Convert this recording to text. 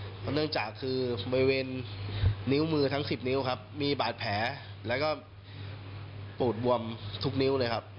เพราะเนื่องจากคือบริเวณนิ้วมือทั้ง๑๐นิ้วครับมีบาดแผลแล้วก็ปูดบวมทุกนิ้วเลยครับ